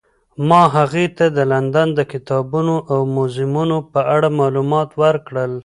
ما هغې ته د لندن د کتابتونونو او موزیمونو په اړه معلومات ورکړل.